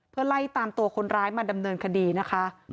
เพื่อไล่ตามตัวคนร้ายมาดำเนินคดีนะคะ